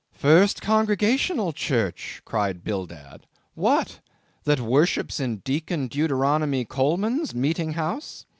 "First Congregational Church," cried Bildad, "what! that worships in Deacon Deuteronomy Coleman's meeting house?"